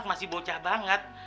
masih bocah banget